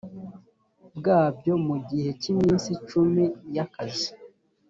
bwabyo mu gihe cy iminsi cumi y akazi